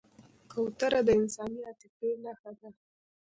کوتره د انساني عاطفې نښه ده.